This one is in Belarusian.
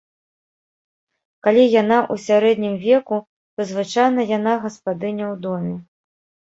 Калі яна ў сярэднім веку, то звычайна яна гаспадыня ў доме.